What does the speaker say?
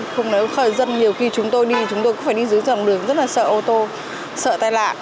không nếu dân nhiều khi chúng tôi đi chúng tôi cũng phải đi dưới lòng đường rất là sợ ô tô sợ tai lạc